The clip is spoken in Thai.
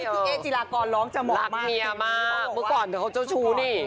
ให้ที่เอจิลากรร้องจะหมดมากรักเมียมากเมื่อก่อนเธอเขาเจ้าชู้นี่